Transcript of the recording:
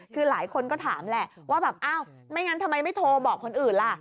คือหลายคนก็ถามแหละว่าแบบอ้าวไม่งั้นทำไมไม่โทรบอกคนอื่นล่ะ